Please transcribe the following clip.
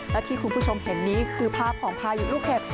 และที่คุณผู้ชมเห็นนี้คือภาพของพายุลูกเห็บ